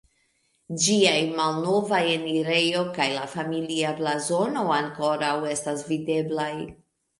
Ĝiaj malnova enirejo kaj la familia blazono ankoraŭ estas videblaj.